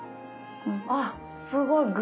あすごい。